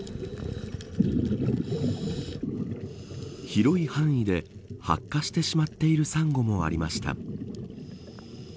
広い範囲で白化してしまっているサンゴもありました。